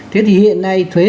thế thì hiện nay thuế